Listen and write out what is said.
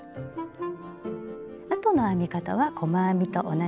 あとの編み方は細編みと同じです。